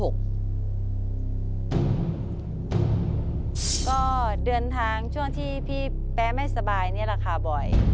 ก็เดินทางช่วงที่พี่แป๊ไม่สบายนี่แหละค่ะบ่อย